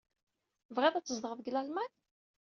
Tebɣiḍ ad tzedɣeḍ deg Lalman?